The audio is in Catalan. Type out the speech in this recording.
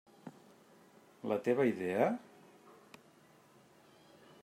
La teva idea?